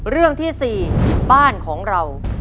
เรื่องที่๔บ้านของเรา